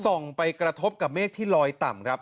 ส่งไปกระทบกับเมฆที่ลอยต่ำครับ